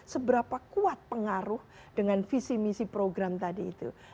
seberapa kuat pengaruh dengan visi misi program tadi itu